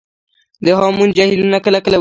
د هامون جهیلونه کله کله وچیږي